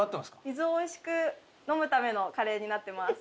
水をおいしく飲むためのカレーになってます。